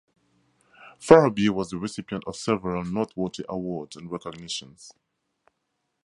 Farabee was the recipient of several noteworthy awards and recognitions.